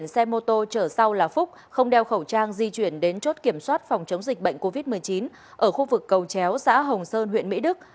xe mô tô chở sau là phúc không đeo khẩu trang di chuyển đến chốt kiểm soát phòng chống dịch bệnh covid một mươi chín ở khu vực cầu chéo xã hồng sơn huyện mỹ đức